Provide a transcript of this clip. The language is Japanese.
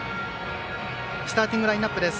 スターティングラインアップです。